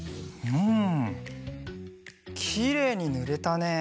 うんきれいにぬれたね。